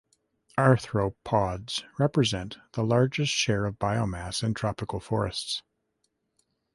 Arthropods represent the largest share of biomass in tropical forests.